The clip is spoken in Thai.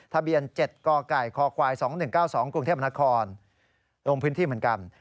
ทะเบียน๗กไก่คค๒๑๙๒กรุงเทพนครลงพื้นที่เหมือนกัน